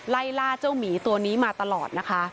ไล่ล่าเจ้าหมีตัวนี้มาตลอดนะคะ